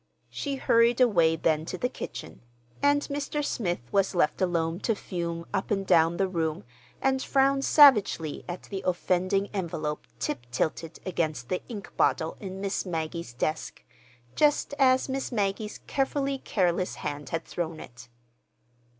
She hurried away then to the kitchen, and Mr. Smith was left alone to fume up and down the room and frown savagely at the offending envelope tip tilted against the ink bottle in Miss Maggie's desk, just as Miss Maggie's carefully careless hand had thrown it.